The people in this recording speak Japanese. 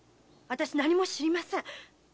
何にも知りません。